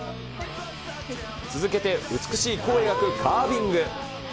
続けて美しい弧を描くカービング。